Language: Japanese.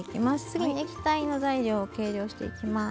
次に液体の材料を計量していきます。